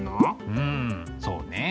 うんそうね。